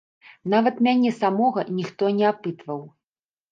Нават мяне самога ніхто не апытваў.